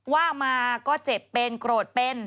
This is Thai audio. ว่ามาก็เจ็บเป็นโกรธเป็น